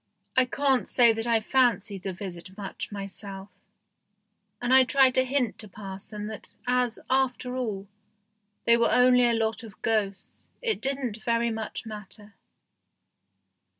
I can't say that I fancied the visit much 12 THE GHOST SHIP myself, and I tried to hint to parson that as, after all, they were only a lot of ghosts, it didn't very much matter.